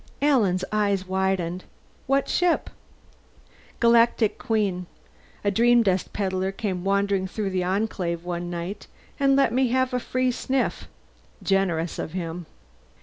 Alan's eyes widened. "What ship?" "Galactic Queen. A dreamdust peddler came wandering through the Enclave one night and let me have a free sniff. Generous of him."